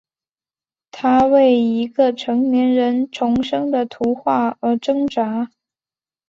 他为一个成年人重生的图画而挣扎。